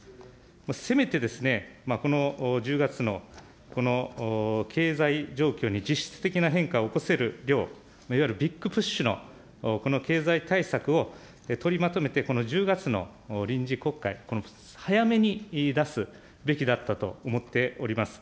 せめて、この１０月の、この経済状況に、実質的な変化を起こせる量、いわゆるビッグプッシュのこの経済対策を取りまとめて、この１０月の臨時国会、早めに出すべきだったと思っております。